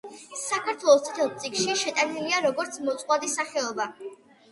საქართველოს წითელ წიგნში შეტანილია როგორც მოწყვლადი სახეობა.